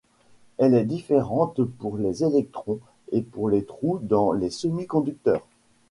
Elle est différente pour les électrons et pour les trous dans les semi-conducteurs.